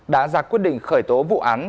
đã ra quyết định khởi tố vụ án